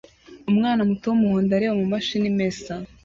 Umwana muto wumuhondo areba mumashini imesa